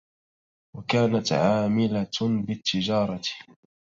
وكانت عاملة بالتجارة